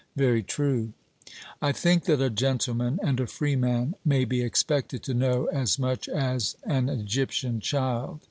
'Very true.' I think that a gentleman and a freeman may be expected to know as much as an Egyptian child.